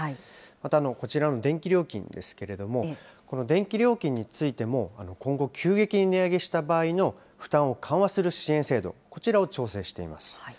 また、こちらの電気料金ですけれども、この電気料金についても、今後、急激に値上げした場合の、負担を緩和する支援制度、こちらを調整しています。